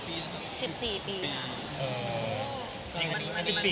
อือ๑๐ปีหรือ